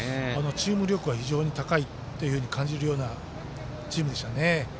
チーム力が非常に高いと感じるようなチームでしたね。